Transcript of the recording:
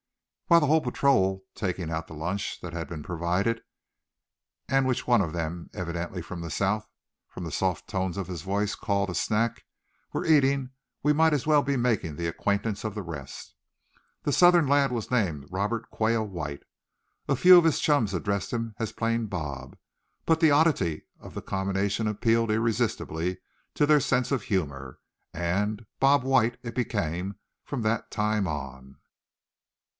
While the whole patrol, taking out the lunch that had been provided, and which one of them, evidently from the South from the soft tones of his voice, called a "snack," were eating we might as well be making the acquaintance of the rest. The Southern lad was named Robert Quail White. A few of his chums addressed him as plain Bob; but the oddity of the combination appealed irresistibly to their sense of humor, and "Bob White" it became from that time on.